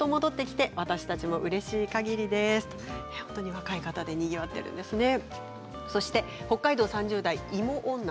若い方でにぎわっているんですね。